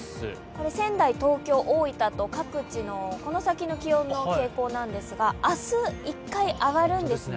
仙台、東京、大分と各地のこの先の気温の傾向なんですが明日１回上がるんですね。